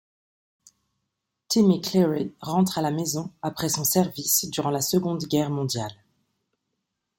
Timmy Cleary rentre à la maison après son service durant la Seconde Guerre mondiale.